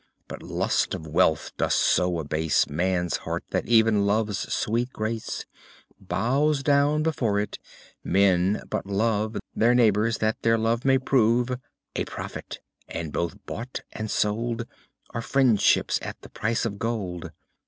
But lust of wealth doth so abase Man's heart, that even love's sweet grace Bows down before it; men but love Their neighbors that their love may prove A profit, and both bought and sold Are friendships at the price of gold.